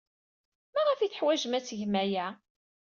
Maɣef ay teḥwajem ad tgem aya?